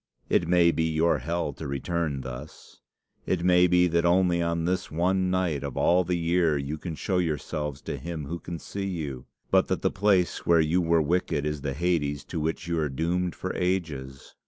'It may be your hell to return thus. It may be that only on this one night of all the year you can show yourselves to him who can see you, but that the place where you were wicked is the Hades to which you are doomed for ages.